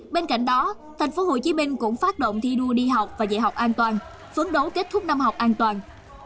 bên cạnh đó tp hcm cũng phát động thi đua đi học và dạy học an toàn phấn đấu kết thúc năm học an toàn